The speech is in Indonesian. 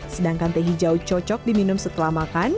sedangkan teh hijau cocok diminum setelah makan